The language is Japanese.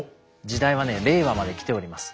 時代はね令和まで来ております。